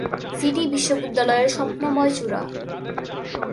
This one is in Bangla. সিটি বিশ্ববিদ্যালয়ের স্বপ্নময় চূড়া।